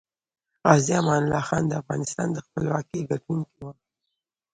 غازي امان الله خان دافغانستان دخپلواکۍ ګټونکی وه